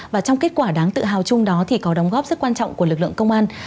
và trong kết quả đáng tự hào chung đó thì có đóng góp rất quan trọng của lực lượng công an